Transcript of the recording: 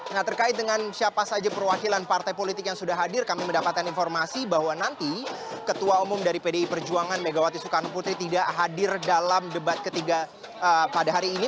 nah terkait dengan siapa saja perwakilan partai politik yang sudah hadir kami mendapatkan informasi bahwa nanti ketua umum dari pdi perjuangan megawati soekarno putri tidak hadir dalam debat ketiga pada hari ini